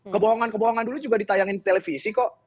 kebohongan kebohongan dulu juga ditayangin di televisi kok